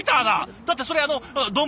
だってそれあの丼？